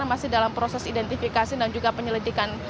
karena masih dalam proses identifikasi dan juga penyelidikan